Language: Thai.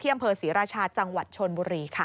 อำเภอศรีราชาจังหวัดชนบุรีค่ะ